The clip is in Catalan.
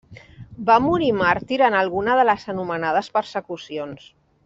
Va morir màrtir en alguna de les anomenades persecucions.